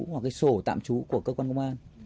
hoặc cái sổ tạm trú của cơ quan công an